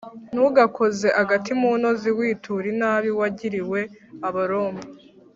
Ntugakoze agati mu ntozi witura inabi wagiriwe abaroma